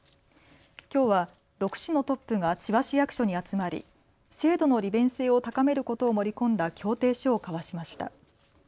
きょうは６市のトップが千葉市役所に集まり制度の利便性を高めることを盛り込んだ協定書を交わしました。